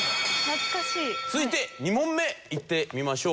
続いて２問目いってみましょう。